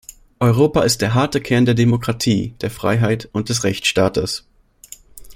Europa ist der harte Kern der Demokratie, der Freiheit und des Rechtsstaates.